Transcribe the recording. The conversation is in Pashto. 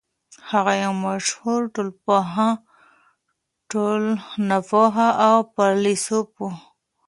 هغه يو مشهور ټولنپوه او فيلسوف و.